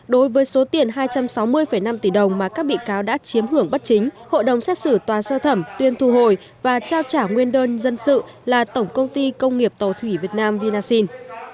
đối với số tiền hai trăm sáu mươi năm tỷ đồng mà các bị cáo đã chiếm hưởng bất chính hội đồng xét xử tòa sơ thẩm tuyên thu hồi và trao trả nguyên đơn dân sự là tổng công ty công nghiệp tàu thủy việt nam vinasin